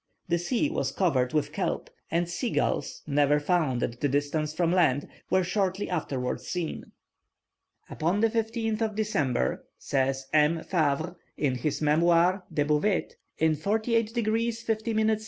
The sea was covered with kelp, and sea gulls, never found at a distance from land, were shortly afterwards seen. "Upon the 15th of December," says M. Favre, in his Memoir the Bouvets, in 48 degrees 50 minutes S.